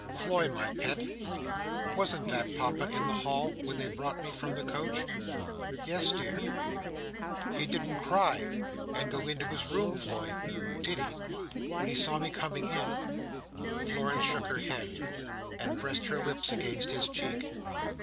"Floy, my pet, wasn't that Papa in the hall, when they brought me from the coach?" "Yes, dear." "He didn't cry, and go into his room, Floy, did he, when he saw me coming in?" Florence shook her head, and pressed her lips against his cheek.